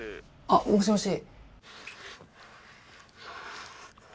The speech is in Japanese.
あっもしもし。